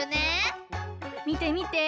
みてみて。